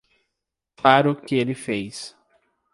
Claro que ele fez.